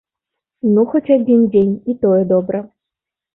Ну, хоць адзін дзень, і тое добра.